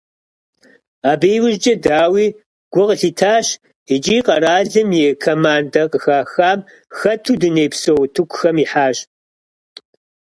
Абы иужькӏэ, дауи, гу къылъатащ икӏи къэралым и командэ къыхэхам хэту дунейпсо утыкухэм ихьащ.